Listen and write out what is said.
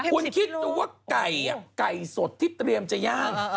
คุณคิดดูว่าไก่ไก่สดที่เตรียมจะย่าง